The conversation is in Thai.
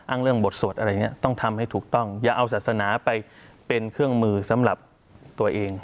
เรื่องบทสวดอะไรอย่างนี้ต้องทำให้ถูกต้องอย่าเอาศาสนาไปเป็นเครื่องมือสำหรับตัวเอง